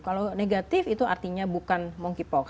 kalau negatif itu artinya bukan monkeypox